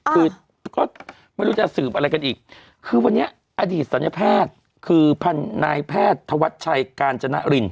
คือก็ไม่รู้จะสืบอะไรกันอีกคือวันนี้อดีตศัลยแพทย์คือพันนายแพทย์ธวัชชัยกาญจนริน